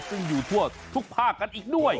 ซึ่งอยู่ทั่วทุกภาคกันอีกด้วย